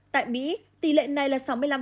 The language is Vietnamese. tại mỹ tỷ lệ này là sáu mươi năm